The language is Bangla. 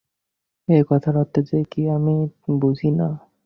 এ-কথার অর্থ যে কী, তা আমি বুঝি না।